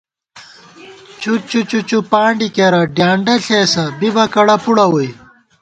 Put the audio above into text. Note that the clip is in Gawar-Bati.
چُچّو چُچّوپانڈی کېرہ ، ڈیانڈہ ݪېسہ ، بِبہ کڑہ پُڑہ ووئی